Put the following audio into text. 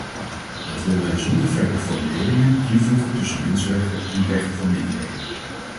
Dat willen wij zonder verdere formuleringen invoegen tussen mensenrechten en rechten van minderheden.